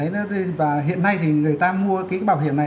người ta mua cái bảo hiểm này